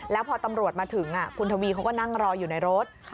แล้วพอตำรวจมาถึงคุณทวีเขาก็นั่งรออยู่ในรถ